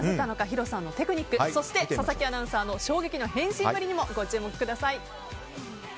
ヒロさんのテクニックそして佐々木アナウンサーの衝撃の変身ぶりにもご注目ください。